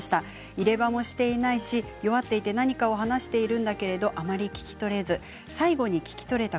入れ歯もしていないし弱っていて何かを話しているんだけれどあまり聞き取れず最後に聞き取れた